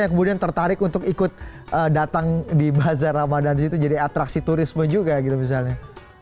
yang kemudian tertarik untuk ikut datang di bazar ramadan di situ jadi atraksi turisme juga gitu misalnya